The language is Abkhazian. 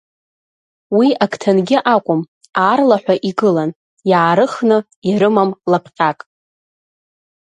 Уи ак ҭангьы акәым, аарлаҳәа игылан, иаарыхны ирымам лапҟьак.